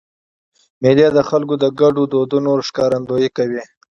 مېلې د خلکو د ګډو دودونو ښکارندویي کوي.